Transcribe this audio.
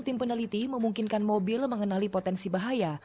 tim peneliti memungkinkan mobil mengenali potensi bahaya